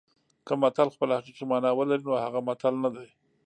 که متل خپله حقیقي مانا ولري نو هغه متل نه دی